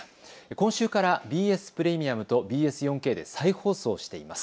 今週からＢＳプレミアムとＢＳ４Ｋで再放送しています。